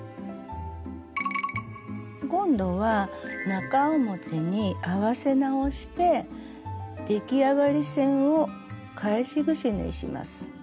今度は中表に合わせ直して出来上がり線を返しぐし縫いします。